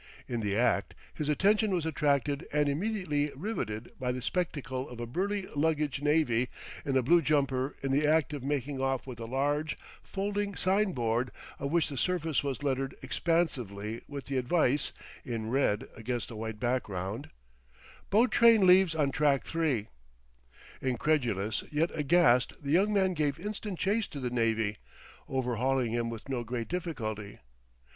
In the act, his attention was attracted and immediately riveted by the spectacle of a burly luggage navvy in a blue jumper in the act of making off with a large, folding sign board, of which the surface was lettered expansively with the advice, in red against a white background: BOAT TRAIN LEAVES ON TRACK 3 Incredulous yet aghast the young man gave instant chase to the navvy, overhauling him with no great difficulty.